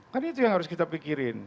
kan itu yang harus kita pikirin